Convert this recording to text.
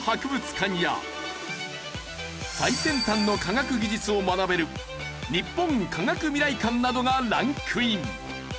最先端の科学技術を学べる日本科学未来館などがランクイン。